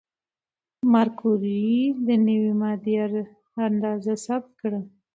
ماري کوري د نوې ماده اندازه ثبت کړه.